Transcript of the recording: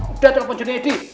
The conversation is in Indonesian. udah telepon jun eddy